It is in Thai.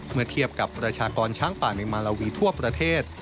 เมื่อเทียบกับประชากรช้างป่าในมาลาวีทั่วประเทศ